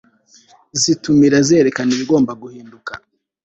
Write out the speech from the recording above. zitumira zerekana ibigomba guhinduka